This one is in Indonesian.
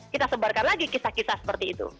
kita sebarkan lagi kisah kisah seperti itu